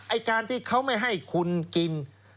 ไอ้การที่เขาไม่ให้คุณกิน